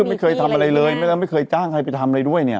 ไม่เคยจ้างใครไปทำอะไรด้วย